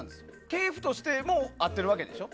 系譜としても合ってるわけでしょ。